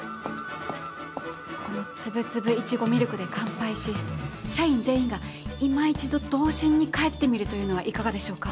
このつぶつぶいちごミルクで乾杯し社員全員がいま一度童心に返ってみるというのはいかがでしょうか。